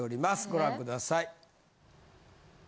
ご覧ください。